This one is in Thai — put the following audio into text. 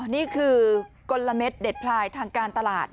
อ๋อนี่คือกลละเม็ดเด็ดพลายทางการตลาด